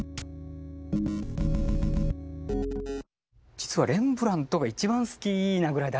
実はレンブラントが一番好きなぐらい大好きですね。